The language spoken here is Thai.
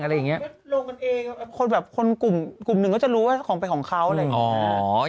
ก็ลงกันเองคนแบบกลุ่มนึงก็จะรู้ว่าของไปของเขาอะไรอย่างนี้ค่ะ